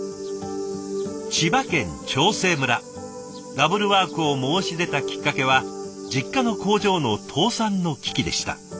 ダブルワークを申し出たきっかけは実家の工場の倒産の危機でした。